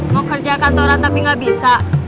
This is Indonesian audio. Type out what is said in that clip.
mau kerja kantoran tapi nggak bisa